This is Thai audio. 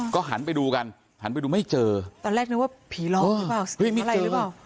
ก็หันไปดูกันหันไปดูไม่เจอตอนแรกนึกว่าผีร้องหรือเปล่า